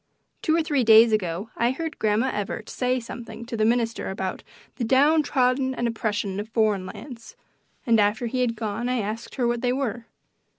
Two or three days ago I heard Grandma Evarts say something to the minister about "the down trodden and oppressed of foreign lands," and after he had gone I asked her what they were.